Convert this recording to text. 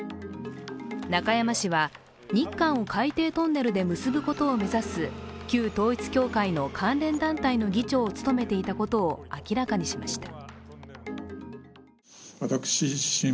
中山氏は日韓を海底トンネルで結ぶことを目指す旧統一教会の関連団体の議長を務めていたことを明らかにしました。